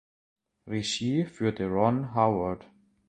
Regie führte Ron Howard.